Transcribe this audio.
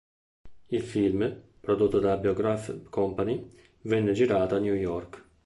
Il film, prodotto dalla Biograph Company, venne girato a New York.